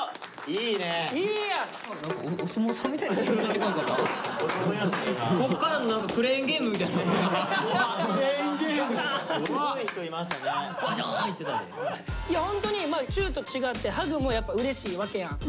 いやホントにチューと違ってハグもやっぱうれしいわけやん。